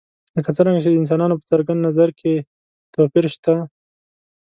لکه څرنګه چې د انسانانو په څرګند نظر کې توپیر شته.